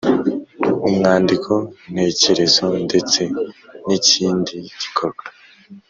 Umwandiko ntekerezo ndetse n’ikindi gikorwa